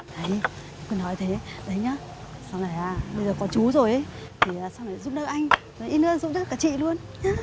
đấy cứ nói thế đấy nhá sau này à bây giờ có chú rồi ấy thì sau này giúp đỡ anh rồi yên ơn giúp đỡ cả chị luôn